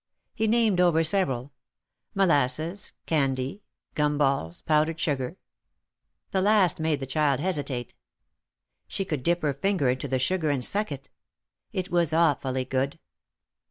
He named over several : molasses candy, gum balls, powdered sugar. The last made the child hesitate. She could dip her finger into the sugar and suck it. It was awfully good.